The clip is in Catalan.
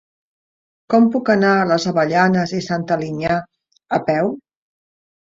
Com puc arribar a les Avellanes i Santa Linya a peu?